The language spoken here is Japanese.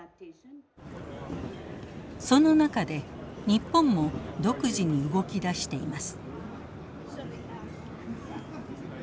その中で日本も独自に動き出しています。